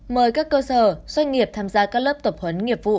mời các cơ sở doanh nghiệp tham gia các lớp tập huấn nghiệp vụ